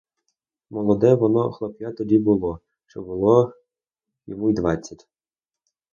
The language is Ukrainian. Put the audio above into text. Молоде воно хлоп'я тоді було, чи було йому й двадцять.